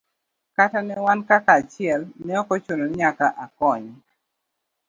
Kata ne wan kaka achiel ne ok ochuno ni nyaka akonye.